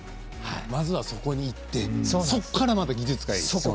まずはそこにいってそこからまた技術が。